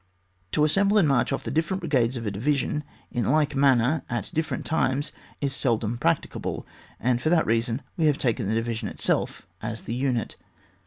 To assemble and march off the different brigades of a division, in like manner at different times, is seldom practicable, and for that reason we have taken the division itself as the unit.